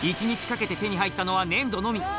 １日かけて手に入ったのは、粘土のみ。